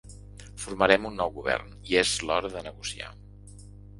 Formarem un nou govern i és l’hora de negociar.